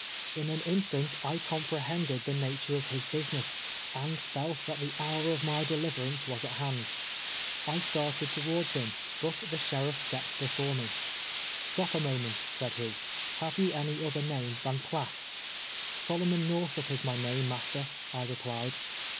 " In an instant I comprehended the nature of his busi ness, and felt that the hour of my deliverance was at liaiul. I started towards him, but the sherilf stepped before me. "Sto]) a moment," said he ;" have you any other name than Piatt ?"" Solomon Xorthup is my name, master," I replied.